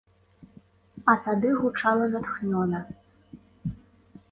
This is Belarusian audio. А тады гучала натхнёна.